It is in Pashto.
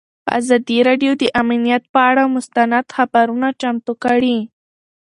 ازادي راډیو د امنیت پر اړه مستند خپرونه چمتو کړې.